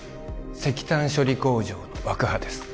石炭処理工場の爆破です